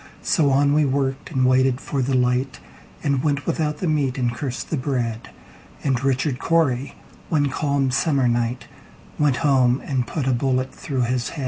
So on we worked, and waited for the light, And went without the meat, and cursed the bread; And Richard Cory, one calm summer night, Went home and put a bullet through his head.